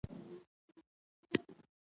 د افغانستان اقلیم څنګه دی؟